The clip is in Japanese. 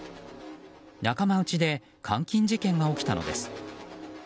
仲間内で監禁事件が起きたのです。